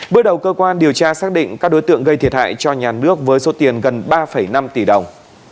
bước đầu cơ quan điều tra xác định các đối tượng gây thiệt hại cho nhà nước với số tiền gần ba năm tỷ đồng